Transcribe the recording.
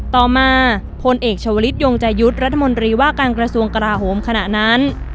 ต่อมาพลเอกชาวลิศยงใจยุทธ์รัฐมนตรีว่าการกระทรวงกราโหมขณะนั้น